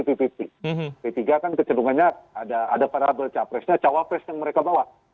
p tiga kan kecenderungannya ada parabel capresnya cawapres yang mereka bawa